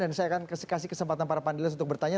dan saya akan kasih kesempatan para panel yang sudah bertanya